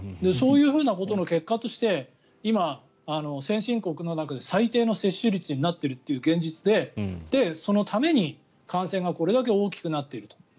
そういうようなことの結果として今、先進国の中で最低の接種率になっているという現実でそのために感染がこれだけ大きくなっていると。